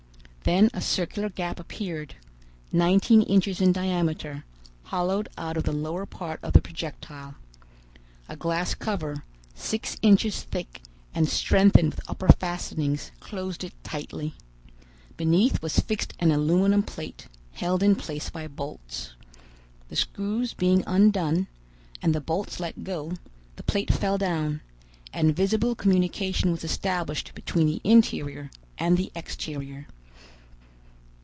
Then a circular gap appeared, nineteen inches in diameter, hollowed out of the lower part of the projectile. A glass cover, six inches thick and strengthened with upper fastenings, closed it tightly. Beneath was fixed an aluminum plate, held in place by bolts. The screws being undone, and the bolts let go, the plate fell down, and visible communication was established between the interior and the exterior.